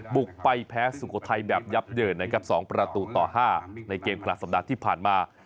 บุกไปแพ้สุโขทัยแบบยับเยินนะครับ๒ประตูต่อ๕ในเกมกลางสัปดาห์ที่ผ่านมา